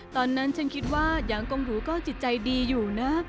ตอนนั้นฉันคิดว่ายางกงหูก็จิตใจดีอยู่นะ